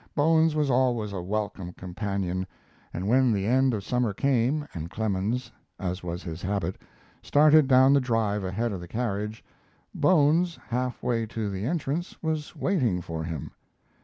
Bones was always a welcome companion, and when the end of summer came, and Clemens, as was his habit, started down the drive ahead of the carriage, Bones, half way to the entrance, was waiting for him.